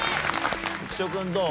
浮所君どう？